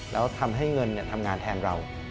แล้วทำให้เงินทำงานแทนเรา